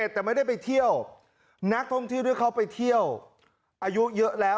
แต่ไม่ได้ไปเที่ยวนักท่องเที่ยวที่เขาไปเที่ยวอายุเยอะแล้ว